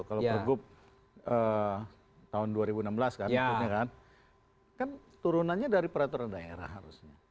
kalau pergub tahun dua ribu enam belas kan turunannya dari peraturan daerah harusnya